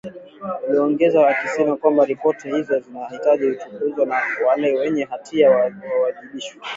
Aliongeza akisema kwamba, ripoti hizo zinahitaji kuchunguzwa na wale wenye hatia wawajibishwe.